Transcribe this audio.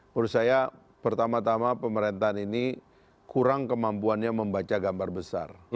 menurut saya pertama tama pemerintahan ini kurang kemampuannya membaca gambar besar